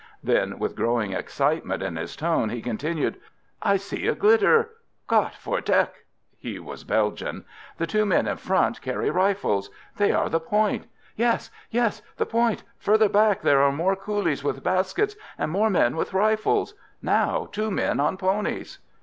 Then with growing excitement in his tone he continued: "I see a glitter. Got for deck!" (he was a Belgian). "The two men in front carry rifles they are the point! Yes! Yes! the point! Further back there are more coolies with baskets, and more men with rifles now two men on ponies."